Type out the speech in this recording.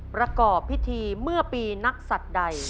ประกอบพิธีเมื่อปีนักศัตริย์ใด